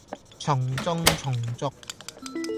從眾從俗